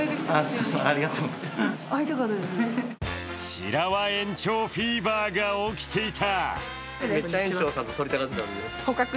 白輪園長フィーバーが起きていた。